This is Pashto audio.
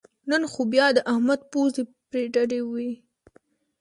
نن خو بیا د احمد پوزې پرې ډډې وې